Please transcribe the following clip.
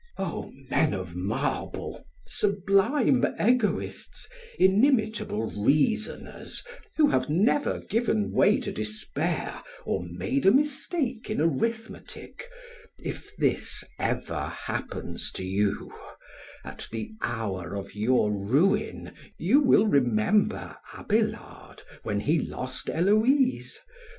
O! men of marble, sublime egoists, inimitable reasoners who have never given way to despair or made a mistake in arithmetic, if this ever happens to you, at the hour of your ruin you will remember Abelard when he lost Heloise.